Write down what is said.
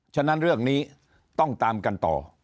ฉะนั้นเรื่องนี้ต้องตามกันต่อ